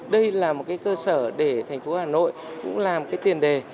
đây là một cơ sở để thành phố hà nội cũng làm tiền đề